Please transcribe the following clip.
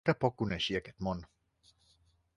Que poc coneixia aquest món!